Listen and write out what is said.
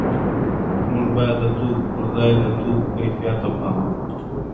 موږ باید د توکو پر ځای د توکو کیفیت ته پام وکړو.